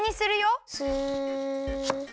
スッ。